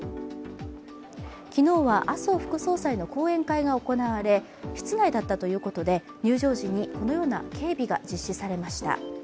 昨日は麻生副総裁の講演会が行われ、室内だったということで入場時にこのような警備が実施されました。